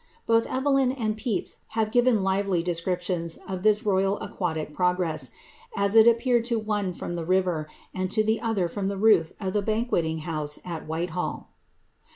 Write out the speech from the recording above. Both Evelyn and Pepys have given lively descriptions of this royal aquatic progress, as it appeared to the one from the river, and to the other from the roof of the Banqueting house at Whitehall.